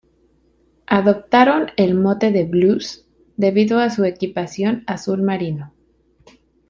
Adoptaron el mote de "Blues", debido a su equipación azul marino.